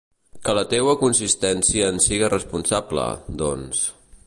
Que la teua consciència en siga responsable, doncs.